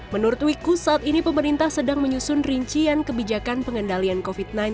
menurut wiku saat ini pemerintah sedang menyusun rincian kebijakan pengendalian covid sembilan belas